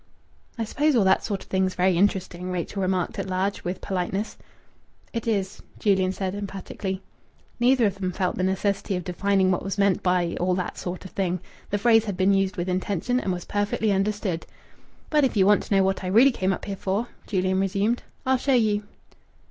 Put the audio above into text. "I suppose all that sort of thing's very interesting," Rachel remarked at large, with politeness. "It is," Julian said emphatically. Neither of them felt the necessity of defining what was meant by "all that sort of thing." The phrase had been used with intention and was perfectly understood. "But if you want to know what I really came up here for," Julian resumed, "I'll show you."